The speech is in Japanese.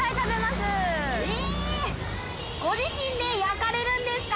ご自身で焼かれるんですか？